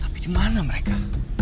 tapi dimana mereka